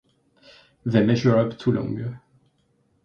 They measure up to long.